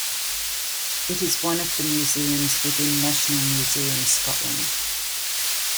It is one of the museums within National Museums Scotland.